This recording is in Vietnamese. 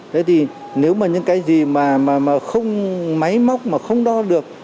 thế thì nếu mà những cái gì mà không máy móc mà không đo được